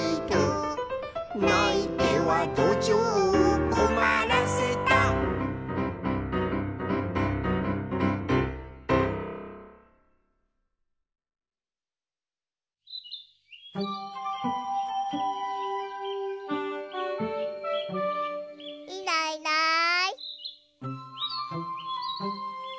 「ないてはどじょうをこまらせた」いないいない。